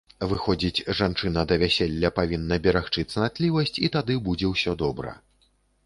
Выходзіць, жанчына да вяселля павінна берагчы цнатлівасць і тады будзе ўсё добра.